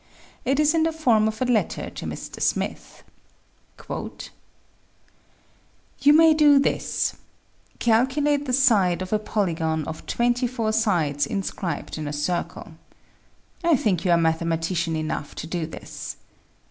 It is in the form of a letter to Mr. Smith :" You may do this : calculate the side of a polygon of 24 sides inscribed in a circle. I think you are mathematician enough to do this.